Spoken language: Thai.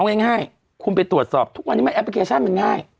เอาง่ายคุณไปตรวจสอบทุกวันนี้มันแอปพลิเคชันมันง่าย